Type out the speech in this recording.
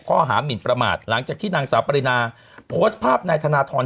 ข้อหามินประมาทหลังจากที่นางสาวพันนิกาโพสต์ภาพนายธนทรรณ